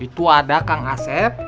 itu ada kang asep